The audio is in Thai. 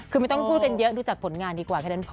คือไม่ต้องพูดกันเยอะดูจากผลงานดีกว่าแค่นั้นพอ